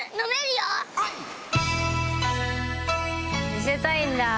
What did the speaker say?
見せたいんだ。